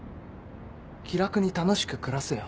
気楽に楽しく暮らせよ。